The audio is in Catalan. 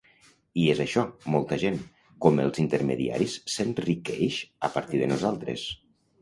I és això, molta gent, com els intermediaris, s’enriqueix a partir de nosaltres.